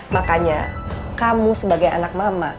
makanya kamu sebagai anak mama